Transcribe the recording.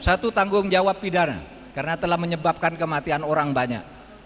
satu tanggung jawab pidana karena telah menyebabkan kematian orang banyak